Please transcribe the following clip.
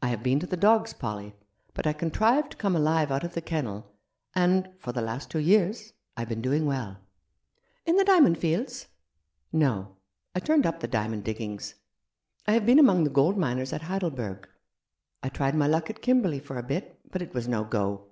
I have been to the dogs, Polly, but I contrived to come alive out of the kennel ; and — for the last two years — I've been doing well." " In the diamond fields ?"" No ; I turned up the diamond diggings. I have been among the gold miners at Heidelberg. I tried my luck at Kimberley for a bit, but it was no go.